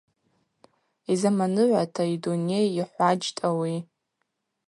Йзаманыгӏвата йдуней йхӏваджьтӏ ауи.